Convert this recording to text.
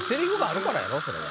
それは。